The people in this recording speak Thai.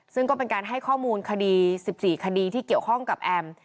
ซึ่งก็เป็นการให้ข้อมูลคดี๑๔คดีที่เกี่ยวข้องกับแอม